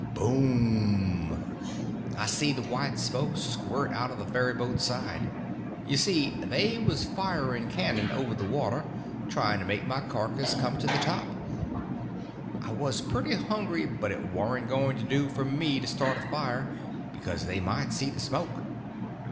"Boom!" I see the white smoke squirt out of the ferryboat's side. You see, they was firing cannon over the water, trying to make my carcass come to the top. I was pretty hungry, but it warn't going to do for me to start a fire, because they might see the smoke.